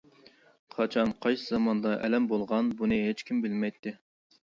قاچان، قايسى زاماندا ئەلەم بولغان، بۇنى ھېچكىم بىلمەيتتى.